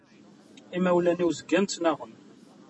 Imawlan-iw zgan ttnaɣen.